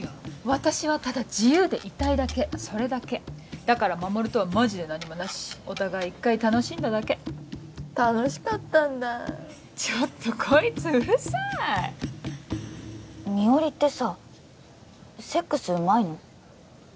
私はただ自由でいたいだけそれだけだから衛とはマジで何もなしお互い一回楽しんだだけ楽しかったんだちょっとこいつうるさい美織ってさセックスうまいの？